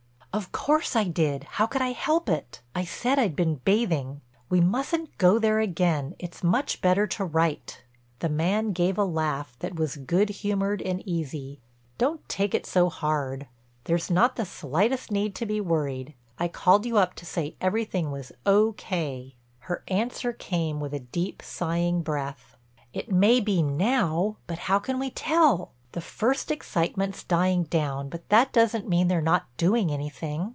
"Of course I did. How could I help it? I said I'd been bathing. We mustn't go there again—it's much better to write." The man gave a laugh that was good humored and easy: "Don't take it so hard. There's not the slightest need to be worried. I called you up to say everything was O. K." Her answer came with a deep, sighing breath: "It may be now—but how can we tell? The first excitement's dying down but that doesn't mean they're not doing anything.